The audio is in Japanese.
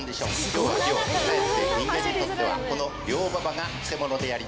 今日は良かえって人間にとってはこの良馬場がくせものであります